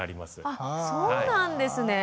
あそうなんですね。